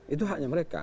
itu haknya mereka